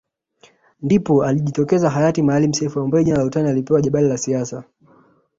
Ndipo alijitokeza Hayati Maalim Self ambaye jina la utani alipewa Jabali la siasa